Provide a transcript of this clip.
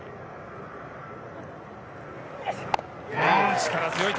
力強い球。